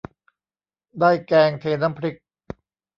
ได้แกงเทน้ำพริก